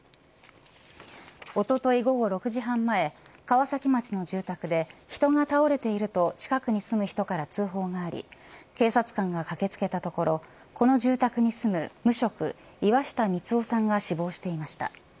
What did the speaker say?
おととい午後６時半前川崎町の住宅で人が倒れていると近くに住む人から通報があり警察官が駆け付けたところこの住宅に住む無職岩下三男さんが死亡していました。